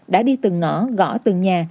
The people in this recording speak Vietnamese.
đã đi từng ngõ gõ từng nhà